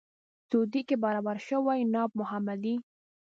سعودي کې برابر شوی ناب محمدي.